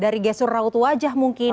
dari gesur raut wajah mungkin